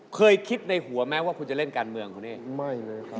เคยคิดในหัวไหมว่าคุณจะเล่นการเมืองกันเนี่ย